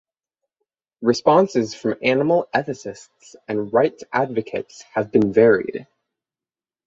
Responses from animal ethicists and rights advocates have been varied.